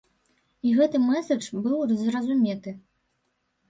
І гэты мэсэдж быў зразуметы.